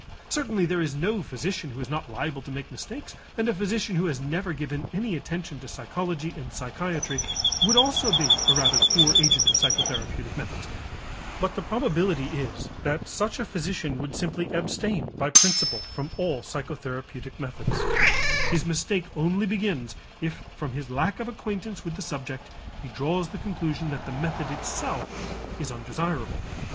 Certainly there is no physician who is not liable to make mistakes, and a physician who has never given any attention to psychology and psychiatry would also be a rather poor agent of psychotherapeutic methods, but the probability is that such a physician would simply abstain by principle from all psychotherapeutic methods; his mistake only begins if from his lack of acquaintance with the subject he draws the conclusion that the method itself is undesirable.